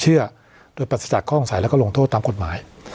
เชื่อโดยปรัสจากข้องใสแล้วก็ลงโทษตามกฎหมาย